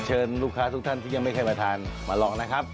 ลูกค้าทุกท่านที่ยังไม่เคยมาทานมาลองนะครับ